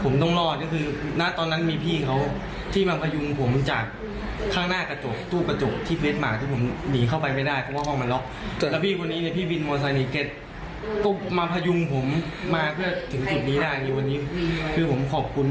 ไม่รู้จะขอบคุณยังไงครับ